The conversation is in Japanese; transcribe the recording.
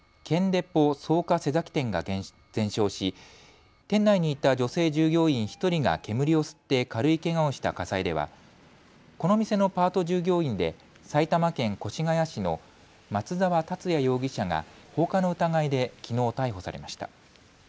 デポ草加瀬崎店が全焼し店内にいた女性従業員１人が煙を吸って軽いけがをした火災ではこの店のパート従業員で埼玉県越谷市の松澤達也容疑者が放火の疑いできのう逮捕されました。